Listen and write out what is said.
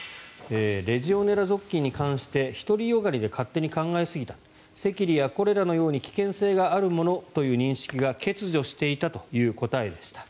レジオネラ属菌に関して独りよがりで勝手に考えすぎた赤痢やコレラのように危険性があるものという認識が欠如していたという答えでした。